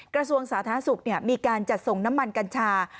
กระทรวงสาธารณสุขมีการจัดส่งน้ำมันกัญชา